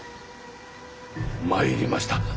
参りました。